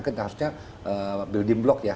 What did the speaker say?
kan harusnya building block ya